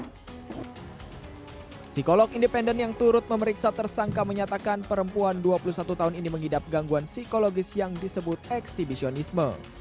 psikolog independen yang turut memeriksa tersangka menyatakan perempuan dua puluh satu tahun ini mengidap gangguan psikologis yang disebut eksibisionisme